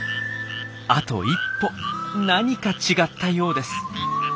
あと一歩何か違ったようです。